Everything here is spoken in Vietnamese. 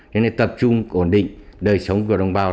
cho nên tập trung ổn định đời sống của đồng bào